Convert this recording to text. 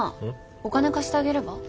お金貸してあげれば。